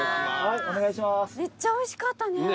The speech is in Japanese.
めっちゃおいしかったね。